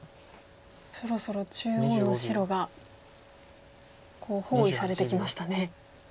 そろそろ中央の白が包囲されてきましたね。